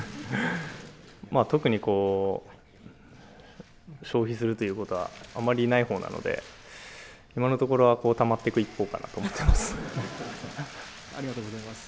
まあ特にこう、消費するということはあんまりないほうなので、今のところは、たまっていく一方かなと思っています。